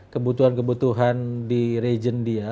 kebutuhan kebutuhan di region dia